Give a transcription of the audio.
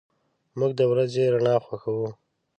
موږ د ورځې رڼا خوښو.